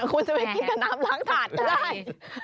คุณจะไปกินกับน้ำล้างถาดก็ได้